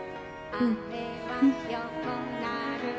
うん。